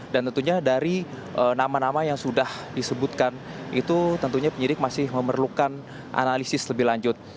dan tentunya dari nama nama yang sudah disebutkan itu tentunya penyidik masih memerlukan analisis lebih lanjut